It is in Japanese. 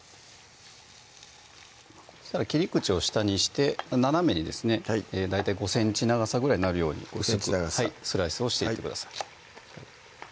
そしたら切り口を下にして斜めにですね大体５ｃｍ長さぐらいになるように薄くスライスをしていってください